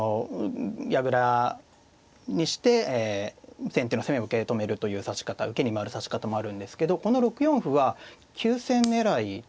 矢倉にして先手の攻めを受け止めるという指し方受けに回る指し方もあるんですけどこの６四歩は急戦狙いですね。